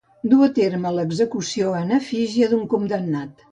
Dur a terme l'execució en efígie d'un condemnat.